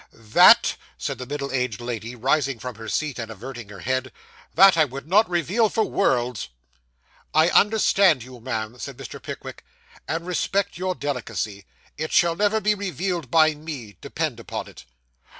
'That,' said the middle aged lady, rising from her seat, and averting her head 'that I would not reveal for worlds.' 'I understand you, ma'am,' said Mr. Pickwick, 'and respect your delicacy; it shall never be revealed by me depend upon it.